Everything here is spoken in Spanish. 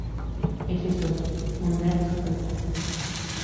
Ese soy, un nerd súper pop.